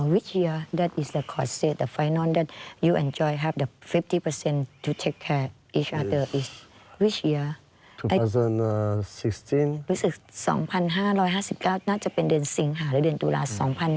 รู้สึก๒๕๕๙น่าจะเป็นเดือนสิงหาและเดือนตุลา๒๕๖๒